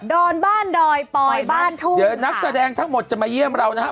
อนบ้านดอยปอยบ้านทุ่งเดี๋ยวนักแสดงทั้งหมดจะมาเยี่ยมเรานะฮะ